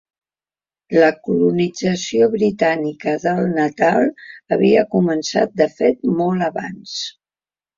La colonització britànica del Natal havia començat de fet molt abans.